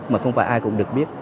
mà không phải ai cũng được biết